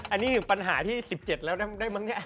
อันนี้คือปัญหาที่๑๗แล้วได้มั้งเนี่ย